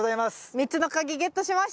３つの鍵ゲットしました。